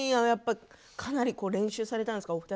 やっぱりかなり練習されたんですか？